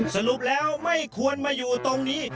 สรุปแล้วไม่ควรมาอยู่ตรงนี้